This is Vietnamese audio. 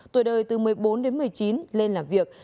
tuổi đời từ một mươi bốn đến một mươi chín lên làm việc